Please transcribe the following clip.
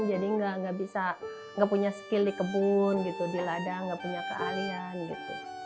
jadi enggak enggak bisa enggak punya skill di kebun gitu di ladang enggak punya kealian gitu